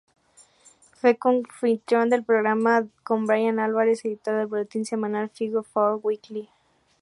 Fue coanfitrión del programa con Bryan Alvarez, editor del boletín semanal "Figure Four Weekly".